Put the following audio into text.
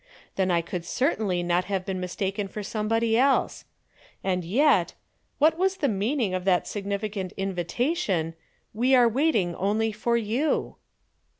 Then I could certainly not have been mistaken for somebody else. And yet what was the meaning of that significant invitation: "_We are waiting only for you?